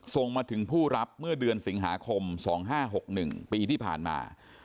ส่งมาถึงผู้รับเมื่อเดือนสิงหาคม๒๕๖๑ปีที่ผ่านมา